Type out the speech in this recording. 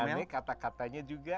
aneh kata katanya juga